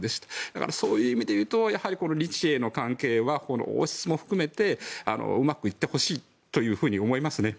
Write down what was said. だからそういう意味でいうと日英の関係は王室も含めてうまくいってほしいと思いますね。